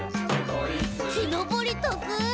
「きのぼりとくい！」